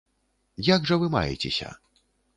Як жа вы маецеся?